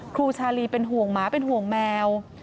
ครูชาลีเป็นห่วงหมาเป็นห่วงแมว